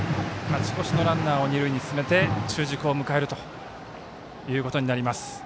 勝ち越しのランナーを二塁に進めて中軸を迎えるということになります。